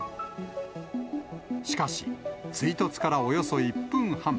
しかし、追突からおよそ１分半。